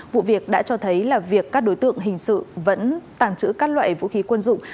vụ việc đã cho thấy là việc các đối tượng hình sự vẫn tàng trữ các loại vũ khí quân dụng